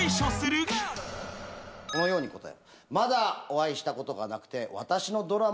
このように答え。